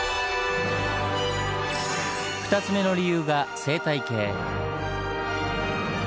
２つ目の理由が「生態系」。